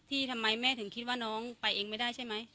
ทำไมแม่ถึงคิดว่าน้องไปเองไม่ได้ใช่ไหม